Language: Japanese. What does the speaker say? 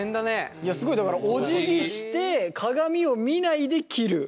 いやすごいだからおじぎして鏡を見ないで切る。